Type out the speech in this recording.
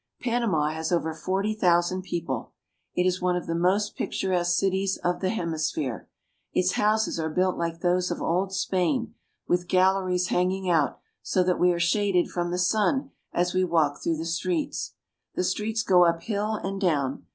Panama has over forty thousand people. It is one of the most picturesque cities of the hemisphere. Its houses are built like those of old Spain, with galleries Wharves, Panama. hanging out, so that we are shaded from the sun as we walk through the streets. The streets go up hill and down.